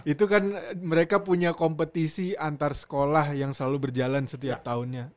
itu kan mereka punya kompetisi antar sekolah yang selalu berjalan setiap tahunnya